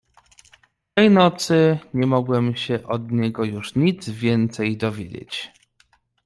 "Tej nocy nie mogłem się od niego już nic więcej dowiedzieć."